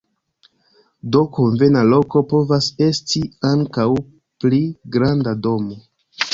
Do, konvena loko povas esti ankaŭ pli granda domo.